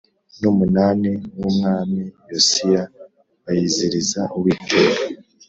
n umunani w Umwami Yosiya bayiziririza Uwiteka